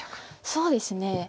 そうですね